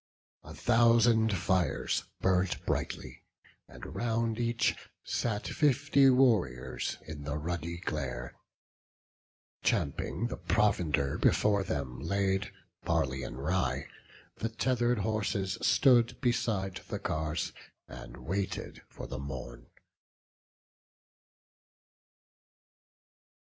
A thousand fires burnt brightly; and round each Sat fifty warriors in the ruddy glare; Champing the provender before them laid, Barley and rye, the tether'd horses stood Beside the cars, and waited for the morn.